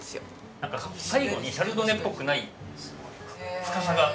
なんか最後にシャルドネっぽくない深さがあったんで。